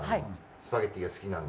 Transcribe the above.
スパゲッティが好きな。